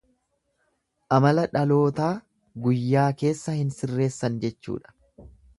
Amala dhalootaa guyyaa keessa hin sirreessan jechuudha.